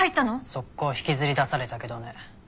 ソッコー引きずり出されたけどね。